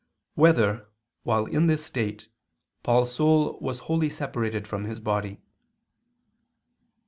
5] Whether, While in This State, Paul's Soul Was Wholly Separated from His Body?